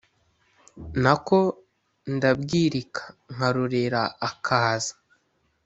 na ko ndabwirika nkarorera akaza.